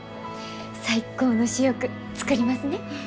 最高の主翼作りますね。